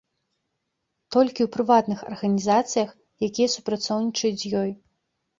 Толькі ў прыватных арганізацыях, якія супрацоўнічаюць з ёй.